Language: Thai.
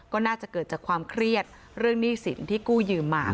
ก็น่าจะเกิดจากความเครียดเรื่องหนี้สินที่กู้ยืมมา